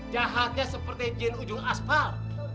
jahatnya seperti jin ujung asfal